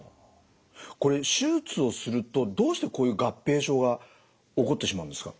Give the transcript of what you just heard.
これ手術をするとどうしてこういう合併症が起こってしまうんですか？